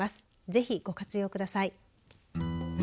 ぜひ、ご活用ください。